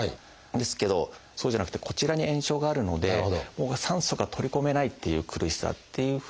ですけどそうじゃなくてこちらに炎症があるのでもう酸素が取り込めないっていう苦しさっていうふうに出やすい。